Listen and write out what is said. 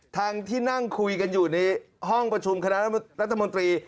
ทางที่นั่งคุยกันอยู่ในห้องประชุมคณะรัฐมนตรี